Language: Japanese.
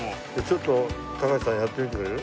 ちょっと高橋さんやってみてくれる？